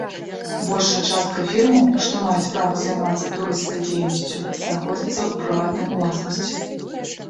Большая частка фірмаў, што маюць права займацца турысцкай дзейнасцю, знаходзяцца ў прыватнай уласнасці.